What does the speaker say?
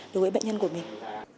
đối với bệnh nhân của mình